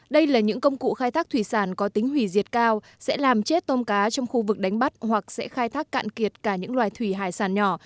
đây là những công cụ khai thác thủy sản có tính hủy diệt cao sẽ làm chết tôm cá trong khu vực đánh bắt hoặc sẽ khai thác cạn kiệt cả những loài thủy hải sản nhỏ